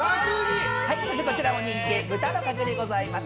こちらも人気、豚の角煮でございます。